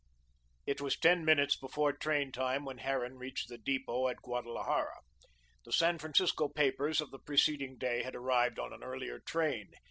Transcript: It was ten minutes before train time when Harran reached the depot at Guadalajara. The San Francisco papers of the preceding day had arrived on an earlier train.